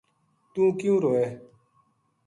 توہ کیوں روئے